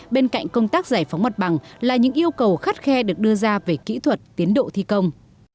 bên cạnh công tác giải phóng mặt bằng là những yêu cầu khắt khe được đưa ra về kỹ thuật tiến độ thi công